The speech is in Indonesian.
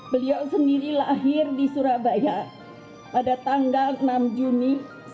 beliau sendiri lahir di surabaya pada tanggal enam juni seribu sembilan ratus sembilan puluh